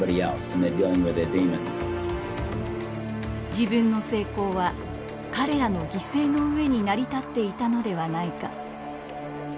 自分の成功は彼らの犠牲の上に成り立っていたのではないか。